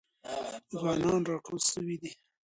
ځوانان راټول سوي دي.